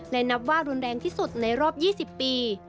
และนับว่ารุนแรงที่สุดในรอบ๒๐ปี